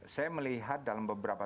saya melihat dalam beberapa